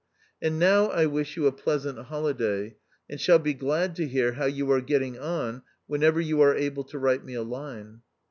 And now I wish you a pleas ant holiday, and shall be glad to hear how you are getting on whenever you are abie to write me a line."